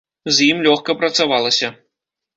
З ім лёгка працавалася.